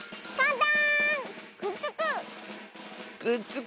くっつく！